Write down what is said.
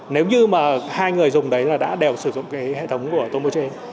nếu như mà hai người dùng đấy là đã đều sử dụng cái hệ thống của tomoche